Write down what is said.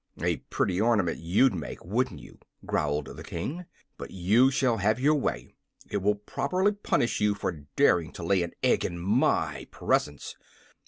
"A pretty ornament you'd make, wouldn't you?" growled the King. "But you shall have your way. It will properly punish you for daring to lay an egg in my presence.